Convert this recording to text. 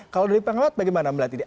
kalau dari pengawat bagaimana melihat ini